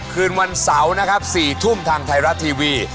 คืนวันเสาร์นะครับ๔ทุ่มทางไทยรัฐทีวี